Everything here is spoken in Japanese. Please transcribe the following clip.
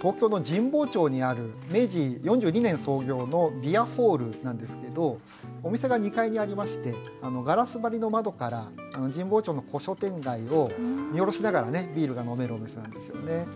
東京の神保町にある明治４２年創業のビアホールなんですけどお店が２階にありましてガラス張りの窓から神保町の古書店街を見下ろしながらねビールが飲めるお店なんですよね。